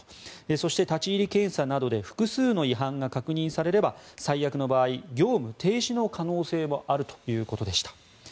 そして、立ち入り検査などで複数の違反が確認されれば最悪の場合、業務停止の可能性もあるということでした。